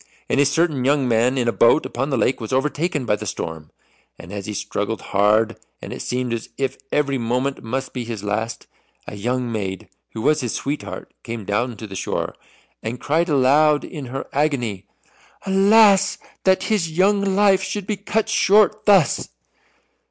And a certain young man in a boat upon the lake was overtaken by the storm. And as he struggled hard, and it seemed as if every moment must be his last, a young maid who was his sweetheart came down to the shore, and cried aloud in her agony, "Alas, that his young life should be cut short thus!"